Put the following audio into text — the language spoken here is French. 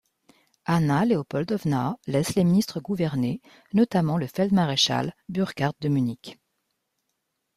Anna Léopoldovna laisse les ministres gouverner, notamment le feld-maréchal Burckhardt de Munnich.